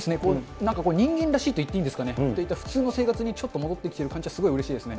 なんかこう、人間らしいといっていいんですかね、普通の生活にちょっと戻ってきている感じはすごいうれしいですね。